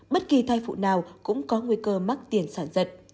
bất kỳ thai phụ nào cũng có nguy cơ mắc tiền sản giật